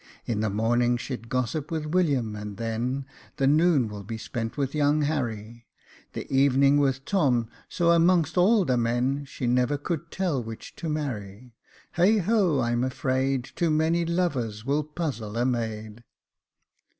In the morning she'd gossip with William, and then The noon will be spent with young Harry. The evening with Tom ; so, amongst all the men, She never could tell which to marry. Heigho ! I am afraid Too many lovers will puzzle a maid."